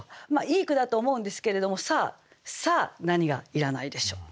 いい句だと思うんですけれどもさあ何がいらないでしょう？